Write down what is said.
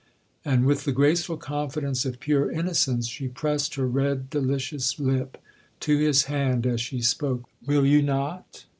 and, with the graceful confidence of pure innocence, she pressed her red delicious lip to his hand as she spoke. 'Will you not?